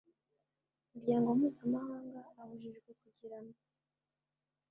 muryango mpuzamahanga abujijwe kugiramo